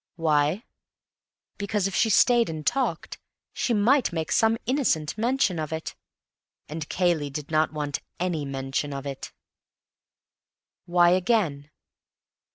Why? Because if she stayed and talked, she might make some innocent mention of it. And Cayley did not want any mention of it. Why, again?